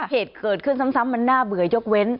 เหตุเกิดขึ้นซ้ำมันน่าเบื่อยกเว้น